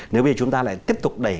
nếu bây giờ chúng ta lại tiếp tục đẩy